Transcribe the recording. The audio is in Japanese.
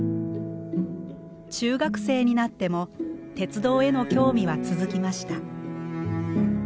中学生になっても鉄道への興味は続きました。